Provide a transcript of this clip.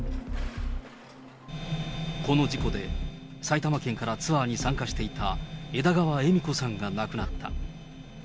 この事故で、埼玉県からツアーに参加していた、枝川恵美子さんが亡くなった。